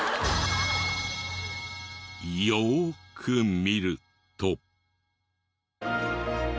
よく見ると。